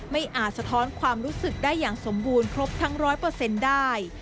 อาจสะท้อนความรู้สึกได้อย่างสมบูรณ์ครบทั้ง๑๐๐ได้